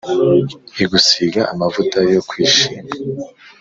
Igusiga amavuta yo kwishima